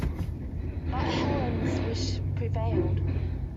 But Helene's wish prevailed.